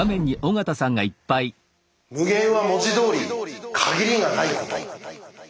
「無限」は文字どおり「限りがない」こと。